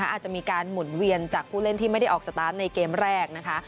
อาจจะมีการหมุนเวียนจากผู้เล่นที่ไม่ได้ออกสตาร์ทในเกมแรกนะคะ